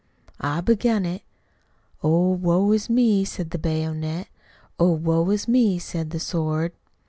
I begun it: Oh, woe is me, said the bayonet, Oh, woe is me, said the sword.